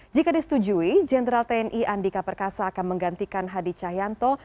jika disetujui jenderal tni andika perkasa akan menggantikan hadi cahyanto